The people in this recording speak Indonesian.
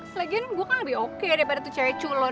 selegin gue kan lebih oke daripada tuh cewek culun